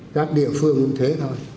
các địa phương cũng thế thôi